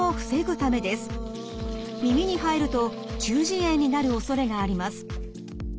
耳に入ると中耳炎になるおそれがあります。